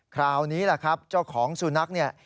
คราวนี้แหละครับเจ้าของสุนัขเนี่ย